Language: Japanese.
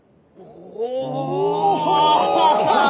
お！